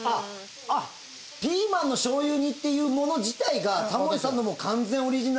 あっピーマンの醤油煮っていうもの自体がタモリさんの完全オリジナル？